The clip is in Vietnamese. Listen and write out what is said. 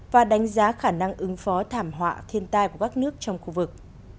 và đánh giá khả năng ứng phó thảm họa thiên tai của các nước trong khu vực